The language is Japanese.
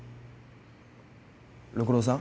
六郎さん？